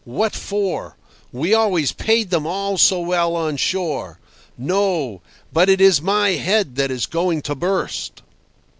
What for? We always paid them all so well on shore. ... No! But it is my head that is going to burst."